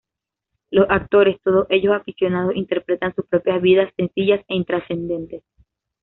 Los actores, todos ellos aficionados, interpretan sus propias vidas, sencillas e intrascendentes.